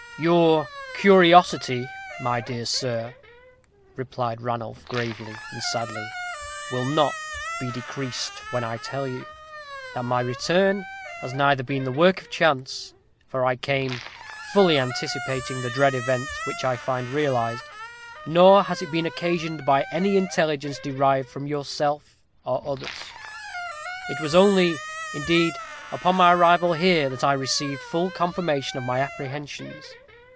"Your curiosity, my dear sir," replied Ranulph, gravely and sadly, "will not be decreased, when I tell you, that my return has neither been the work of chance, for I came, fully anticipating the dread event, which I find realized, nor has it been occasioned by any intelligence derived from yourself, or others. It was only, indeed, upon my arrival here that I received full confirmation of my apprehensions.